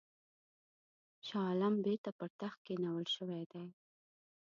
شاه عالم بیرته پر تخت کښېنول شوی دی.